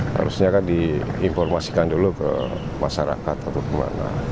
harusnya kan diinformasikan dulu ke masyarakat atau kemana